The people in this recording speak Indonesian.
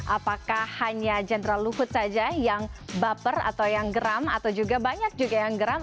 apakah hanya jenderal luhut saja yang baper atau yang geram atau juga banyak juga yang geram